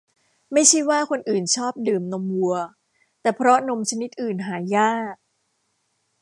ไม่ใช่ว่าคนชอบดื่มนมวัว แต่เพราะนมชนิดอื่นหายาก